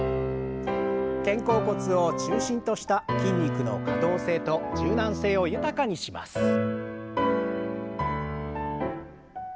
肩甲骨を中心とした筋肉の可動性と柔軟性を豊かにします。